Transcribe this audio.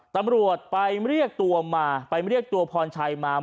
ตำรวจไปเรียกตัวมาไปเรียกตัวพรชัยมา